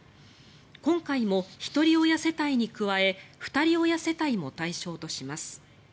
今回も、ひとり親世帯に加えふたり親世帯も対象とします。